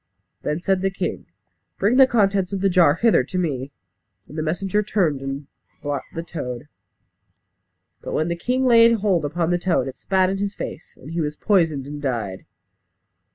Then said the king, "Bring the contents of the jar hither to me." And the messenger returned and brought the toad. But when the king laid hold upon the toad, it spat in his face; and he was poisoned and died.